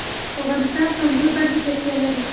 افغانستان په انګور باندې تکیه لري.